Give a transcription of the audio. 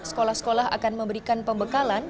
sekolah sekolah akan memberikan pembekalan